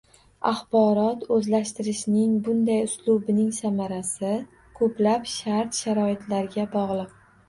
Axborot o‘zlashtirishning bunday uslubining samarasi ko‘plab shart-sharoitlarga bog‘liq.